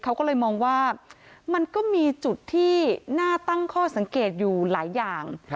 เขาก็เลยมองว่ามันก็มีจุดที่น่าตั้งข้อสังเกตอยู่หลายอย่าง